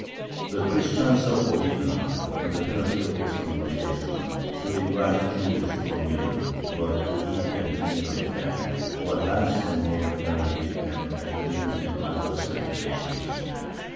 The Christians are forbidden, under penalty of excommunication, to invite Jews to a meal, or to eat and drink with them, or dance and make merry with them at weddings and other celebrations.